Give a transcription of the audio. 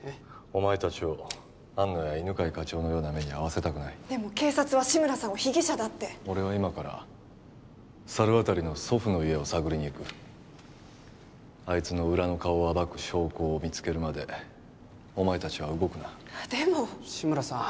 お前達を安野や犬飼課長のような目に遭わせたくないでも警察は志村さんを被疑者だって俺は今から猿渡の祖父の家を探りに行くあいつの裏の顔を暴く証拠を見つけるまでお前達は動くなでも志村さん